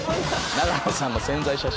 永野さんの宣材写真。